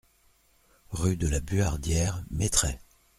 Rue de la Buhardière, Mettray